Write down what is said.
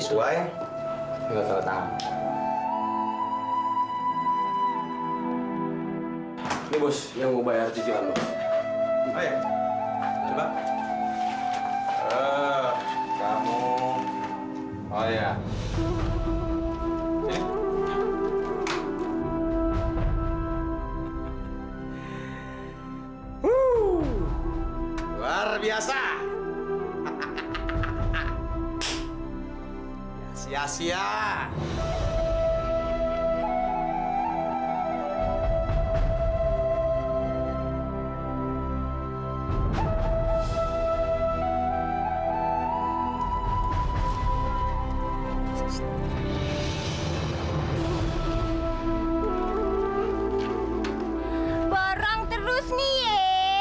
sampai jumpa di video selanjutnya